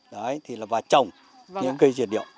đấy thì là vào trồng những cây dược liệu